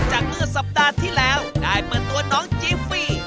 จากเมื่อสัปดาห์ที่แล้วได้มาตัวน้องเจฟี่